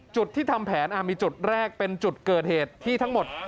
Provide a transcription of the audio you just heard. จุดที่ทำแผนมีจุดแรกเป็นจุดเกิดเหตุที่ทั้งหมด